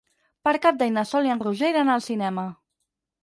Per Cap d'Any na Sol i en Roger iran al cinema.